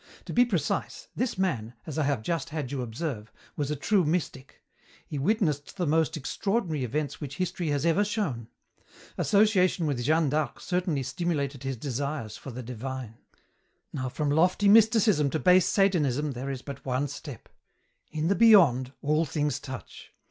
To be precise, this man, as I have just had you observe, was a true mystic. He witnessed the most extraordinary events which history has ever shown. Association with Jeanne d'Arc certainly stimulated his desires for the divine. Now from lofty Mysticism to base Satanism there is but one step. In the Beyond all things touch.